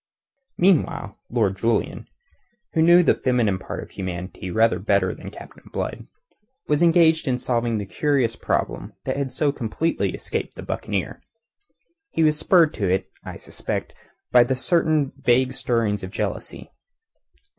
Meanwhile, Lord Julian, who knew the feminine part of humanity rather better than Captain Blood, was engaged in solving the curious problem that had so completely escaped the buccaneer. He was spurred to it, I suspect, by certain vague stirrings of jealousy.